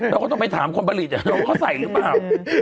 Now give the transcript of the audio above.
เราก็ต้องไปถามคนผลิตเขาใส่หรือเปล่า